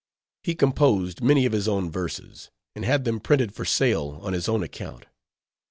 He composed many of his own verses, and had them printed for sale on his own account.